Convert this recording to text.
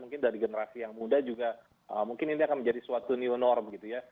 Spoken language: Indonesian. mungkin dari generasi yang muda juga mungkin ini akan menjadi suatu new normal begitu ya